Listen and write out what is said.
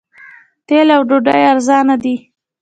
تیل او ډوډۍ ارزانه دي.